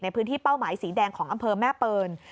พื้นที่เป้าหมายสีแดงของอำเภอแม่ปืน